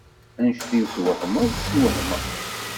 Anect i twehmeḍ i wehmeɣ.